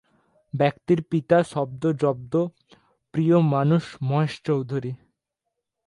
ব্যক্তির পিতা শব্দ-জব্দ প্রিয় মানুষ মহেশ চৌধুরী।